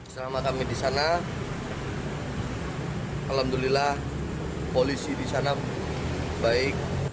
selama kami di sana alhamdulillah polisi di sana baik